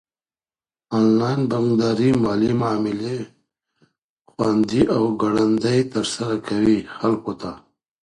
انلاين بانکداري مالي معاملي خوندي او ګړندي ترسره کوي خلکو ته.